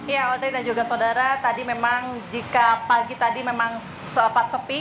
ya aldi dan juga saudara tadi memang jika pagi tadi memang sempat sepi